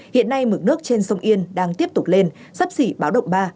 hiện nay mực nước trên sông yên đang tiếp tục lên sắp xỉ báo động ba